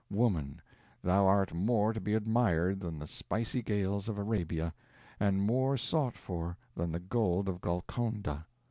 Woman, thou art more to be admired than the spicy gales of Arabia, and more sought for than the gold of Golconda.